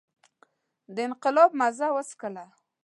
د انقلاب مزه وڅکله.